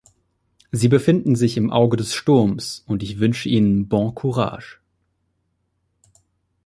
Sie befinden sich im Auge des Sturms, und ich wünsche Ihnen bon courage.